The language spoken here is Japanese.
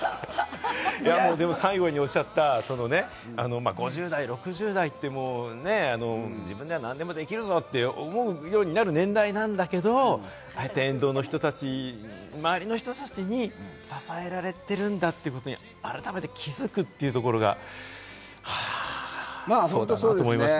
でも、最後におっしゃった、５０代、６０代ってもうね、自分では何でもできるぞって思うようになる年代なんだけど、ああやって沿道の人たち、周りの人たちに支えられてるんだということに改めて気付くというところが、あ、そうだなと思いました。